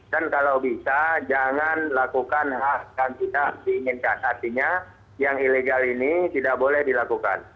dan kalau bisa jangan lakukan hak kandida diinginkan artinya yang ilegal ini tidak boleh dilakukan